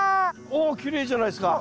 おきれいじゃないですか。